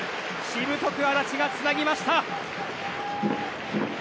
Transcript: しぶとく安達がつなぎました。